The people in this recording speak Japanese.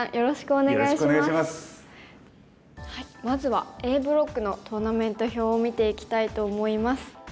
まずはＡブロックのトーナメント表を見ていきたいと思います。